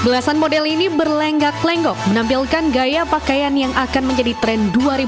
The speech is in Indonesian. belasan model ini berlenggak lenggok menampilkan gaya pakaian yang akan menjadi tren dua ribu dua puluh